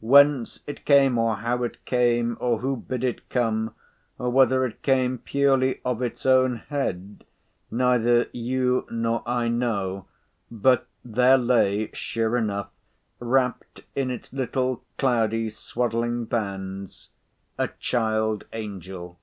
Whence it came, or how it came, or who bid it come, or whether it came purely of its own head, neither you nor I know—but there lay, sure enough, wrapped in its little cloudy swaddling bands—a Child Angel.